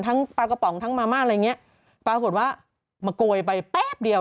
ปลากระป๋องทั้งมาม่าอะไรอย่างเงี้ยปรากฏว่ามาโกยไปแป๊บเดียว